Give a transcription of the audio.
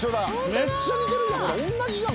めっちゃ似てるじゃん！